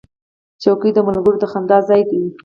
چوکۍ د ملګرو د خندا ځای دی.